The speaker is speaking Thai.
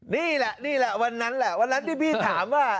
นี่แหละนี่แหละวันนั้นแหละวันนั้นที่พี่ถามว่า